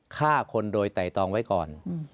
ฆ่าคนโดยไตรตองไว้ก่อน